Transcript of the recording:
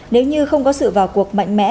nếu như không có sự vào cuộc mạnh mẽ